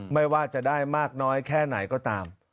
ไม่ว่าจะได้มากน้อยแค่ไหนก็ตาม